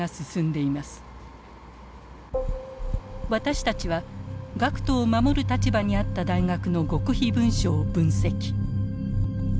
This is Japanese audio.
私たちは学徒を守る立場にあった大学の極秘文書を分析。